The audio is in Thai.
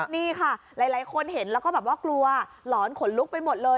นี่ค่ะหลายคนเห็นแล้วก็แบบว่ากลัวหลอนขนลุกไปหมดเลย